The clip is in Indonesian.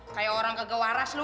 kayak orang kegewaras lo